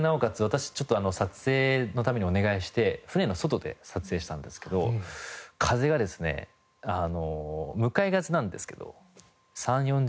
私ちょっと撮影のためにお願いして船の外で撮影したんですけど風がですね向かい風なんですけど３０４０